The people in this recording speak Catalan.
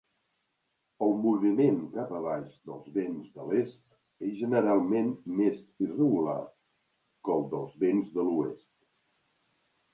El moviment cap a baix dels vents de l'est és generalment més irregular que el dels vents de l'oest.